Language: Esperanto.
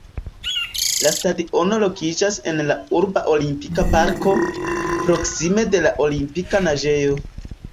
La stadiono lokiĝas en la urba Olimpika Parko, proksime de la Olimpika Naĝejo.